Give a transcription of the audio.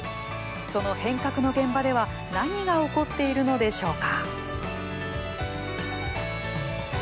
その変革の現場では何が起こっているのでしょうか。